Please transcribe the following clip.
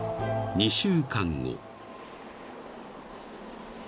［２週間後］